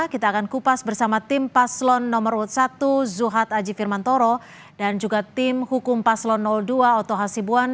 kita akan kupas bersama tim paslon nomor urut satu zuhad aji firmantoro dan juga tim hukum paslon dua oto hasibuan